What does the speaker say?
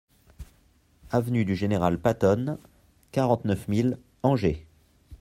AVENUE DU GENERAL PATTON, quarante-neuf mille Angers